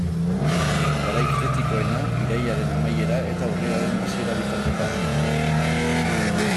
Garai kritikoena irailaren amaiera eta urriaren hasiera bitartekoa da.